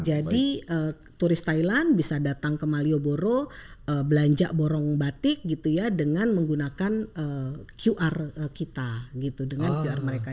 jadi turis thailand bisa datang ke malioboro belanja borong batik gitu ya dengan menggunakan qr kita gitu dengan qr mereka